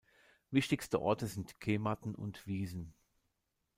Wichtigste Orte sind Kematen und Wiesen.